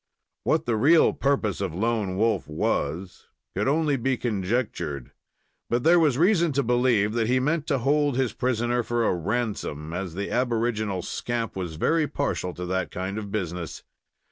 What the real purpose of Lone Wolf was could only be conjectured; but there was reason to believe that he meant to hold his prisoner for a ransom, as the aboriginal scamp was very partial to that kind of business.